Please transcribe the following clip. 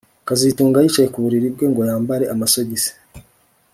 kazitunga yicaye ku buriri bwe ngo yambare amasogisi